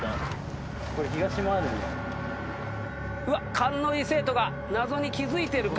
うわ勘のいい生徒が謎に気付いてるか？